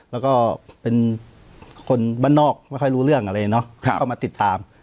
แล้วก็เป็นคนบ้านนอกไม่ค่อยรู้เรื่องอะไรเนาะเข้ามาติดตาม